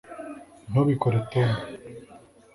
ntubikore, tom